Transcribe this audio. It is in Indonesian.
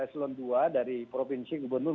selon dua dari provinsi gubernur